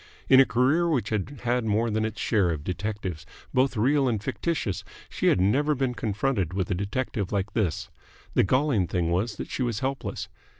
In a career which had had more than its share of detectives, both real and fictitious, she had never been confronted with a detective like this. The galling thing was that she was helpless.